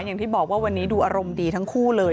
อย่างที่บอกว่าวันนี้ดูอารมณ์ดีทั้งคู่เลย